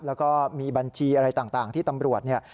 แล้วก็มีบัญชีอะไรต่างที่ตำรวจเนี่ย